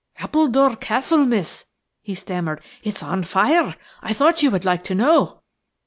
"Appledore Castle, miss," he stammered, "it's on fire. I thought you would like to know."